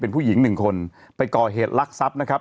เป็นผู้หญิงหนึ่งคนไปก่อเหตุลักษัพนะครับ